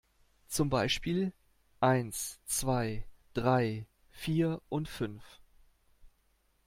Zum Beispiel: Eins, zwei, drei, vier und fünf.